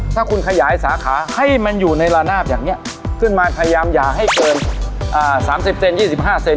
ถ้าคุณขยายสาขาให้มันอยู่ในระนาบอย่างนี้ขึ้นมาพยายามอย่าให้เกิน๓๐เซน๒๕เซน